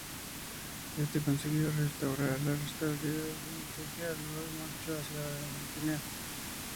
Éste consiguió restaurar la estabilidad en Tegea, y luego marchó hacia Mantinea.